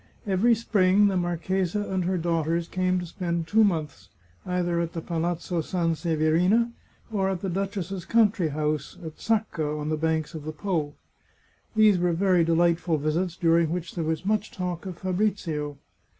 Every spring the marchesa and her daughters came to spend two months either at the Palazzo Sanseverina or at the duchess's country house at Sacca, on the banks of the P6. These were very delightful visits, during which there was much talk of Fabrizio.